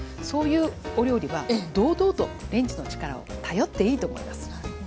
そういうお料理は堂々とレンジの力を頼っていいと思います。